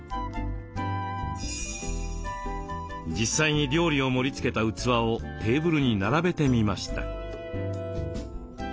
実際に料理を盛りつけた器をテーブルに並べてみました。